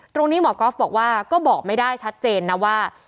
ตรงนี้หมอก๊อฟบอกว่าก็บอกไม่ได้ชัดเจนนะว่า